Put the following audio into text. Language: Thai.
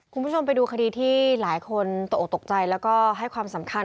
คุณผู้ชมไปดูคดีที่หลายคนตกออกตกใจแล้วก็ให้ความสำคัญ